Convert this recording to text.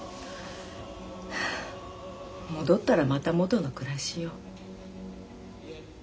戻ったらまた元の暮らしよ。